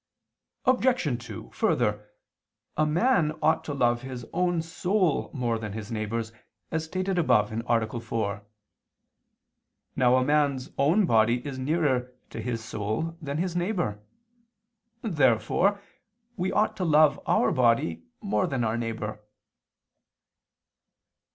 Obj. 2: Further, a man ought to love his own soul more than his neighbor's, as stated above (A. 4). Now a man's own body is nearer to his soul than his neighbor. Therefore we ought to love our body more than our neighbor.